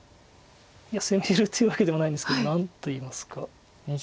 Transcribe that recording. いや攻めるっていうわけでもないんですけど何といいますか。